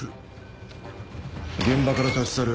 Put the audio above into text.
現場から立ち去る